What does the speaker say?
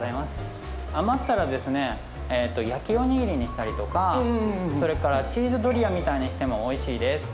余ったら焼きおにぎりにしたりとかそれから、チーズドリアにしてもおいしいです。